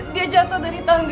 dia jatuh dari tangga